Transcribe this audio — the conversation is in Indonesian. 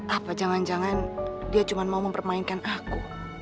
apa jangan jangan dia cuma mau mempermainkan aku